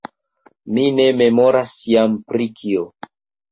Mi ne memoras jam pri kio.